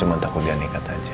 temen takut dia nikah aja